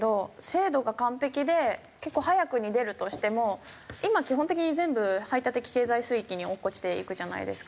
精度が完璧で結構早くに出るとしても今基本的に全部排他的経済水域に落っこちていくじゃないですか。